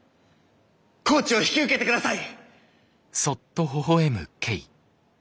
コーチを引き受けてください！